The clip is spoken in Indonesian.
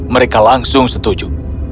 mereka langsung setuju